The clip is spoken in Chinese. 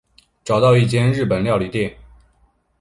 找到一间日本料理店